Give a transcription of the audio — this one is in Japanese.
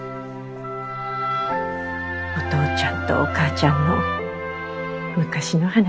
お父ちゃんとお母ちゃんの昔の話。